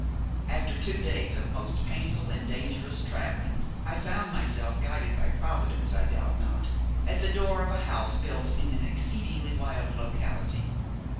After two days of most painful and dangerous travelling, I found myself, guided by Providence, I doubt not, at the door of a house built in an exceedingly wild locality.